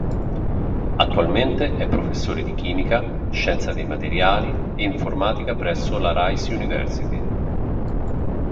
Attualmente è Professore di Chimica, Scienza dei Materiali e informatica presso la Rice University.